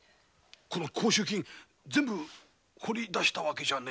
この甲州金全部掘り出したわけじゃねぇよな？